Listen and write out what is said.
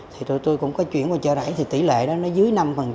thì tụi tôi cũng có chuyển qua chợ rảy thì tỷ lệ đó dưới năm